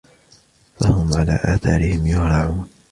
فَهُمْ عَلَى آثَارِهِمْ يُهْرَعُونَ